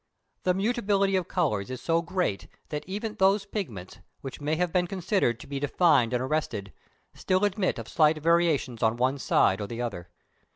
531. The mutability of colour is so great, that even those pigments, which may have been considered to be defined and arrested, still admit of slight variations on one side or the other.